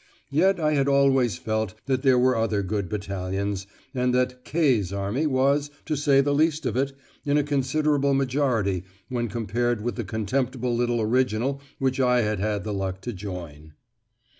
Yet I had always felt that there were other good battalions, and that "K.'s Army" was, to say the least of it, in a considerable majority when compared with the contemptible little original which I had had the luck to join!